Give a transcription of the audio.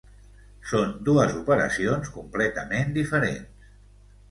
Són dues operacions completament diferents.